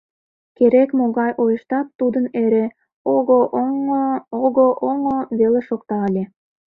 Керек-могай ойыштат тудын эре ого-оҥо-ого-оҥо веле шокта ыле.